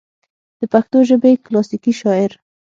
دَپښتو ژبې کلاسيکي شاعر